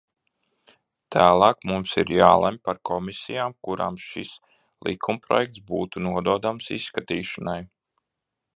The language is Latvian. Tālāk mums ir jālemj par komisijām, kurām šis likumprojekts būtu nododams izskatīšanai.